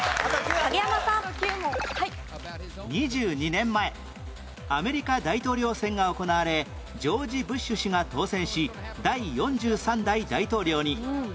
２２年前アメリカ大統領選が行われジョージ・ブッシュ氏が当選し第４３代大統領に